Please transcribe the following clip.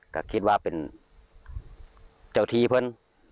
ก็คิดว่าเป็นเจ้าที่เพื่อน